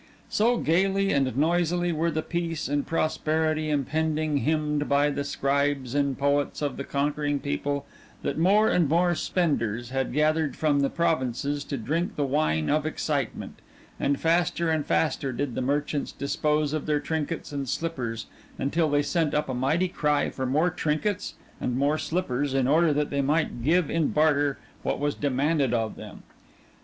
So gaily and noisily were the peace and prosperity impending hymned by the scribes and poets of the conquering people that more and more spenders had gathered from the provinces to drink the wine of excitement, and faster and faster did the merchants dispose of their trinkets and slippers until they sent up a mighty cry for more trinkets and more slippers in order that they might give in barter what was demanded of them.